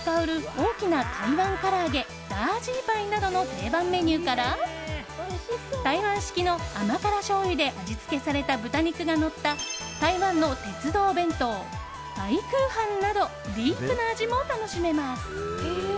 大きな台湾から揚げダージーパイなどの定番メニューから台湾式の甘辛しょうゆで味付けされた豚肉がのった台湾の鉄道弁当パイクーハンなどディープな味も楽しめます！